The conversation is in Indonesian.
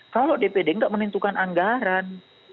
kalau dpd tidak menentukan anggaran